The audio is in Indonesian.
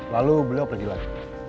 lalu beliau pergi lagi